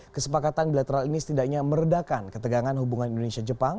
kesepakatan bilateral ini setidaknya meredakan ketegangan hubungan indonesia jepang